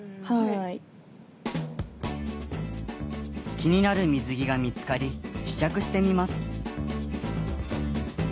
気になる水着が見つかり試着してみます。